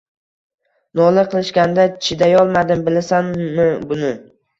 Nola qilishgan-da. Chidayolmadim bilasanmi buni!